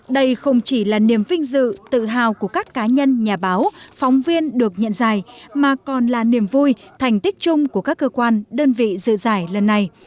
đây không chỉ là niềm vinh dự tự hào của các cá nhân nhà báo phóng viên được nhận giải mà còn là niềm vui thành tích chung của các cơ quan đơn vị dự giải lần này